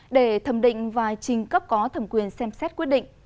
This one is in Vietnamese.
để thẩm định và trình cấp có thẩm quyền xem xét quyết định